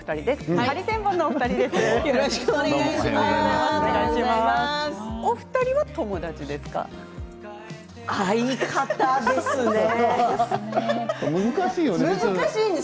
ハリセンボンのお二人です。